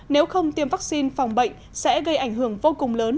nếu không tiêm vaccine phòng bệnh sẽ gây ảnh hưởng vô cùng lớn